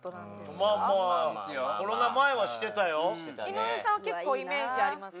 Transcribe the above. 井上さんは結構イメージあります